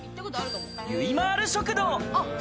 ゆいまる食堂。